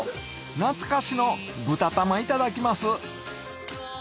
懐かしの豚玉いただきます